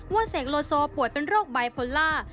ว่าเศกโลโซปวดเป็นโรคไบโพลาร์